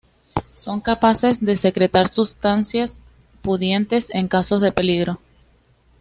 Son capaces de secretar sustancias pudientes en caso de peligro.